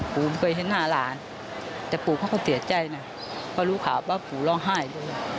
เพราะรู้ข่าวว่าผมร่องไห้เลย